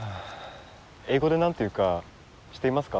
英語で何て言うか知っていますか？